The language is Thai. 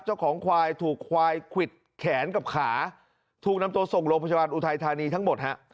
เจ้าของควายถูกควายควิดแขนกับขาถูกนำตัวส่งโรงพยาบาลอุทัยธานีทั้งหมดฮะ